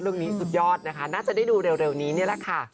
เรื่องนี้สุดยอดนะคะน่าจะได้ดูเร็วนี้แล้วค่ะ